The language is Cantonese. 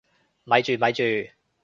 咪住咪住！